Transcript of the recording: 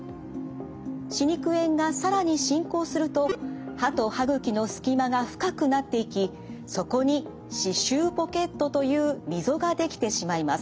歯肉炎が更に進行すると歯と歯ぐきの隙間が深くなっていきそこに歯周ポケットという溝が出来てしまいます。